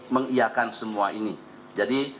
mengiakan semua ini jadi